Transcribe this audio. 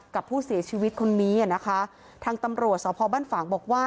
กับผู้เสียชีวิตคนนี้อ่ะนะคะทางตำรวจสพบ้านฝางบอกว่า